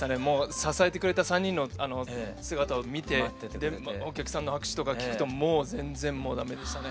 支えてくれた３人の姿を見てお客さんの拍手とか聞くともう全然もう駄目でしたね。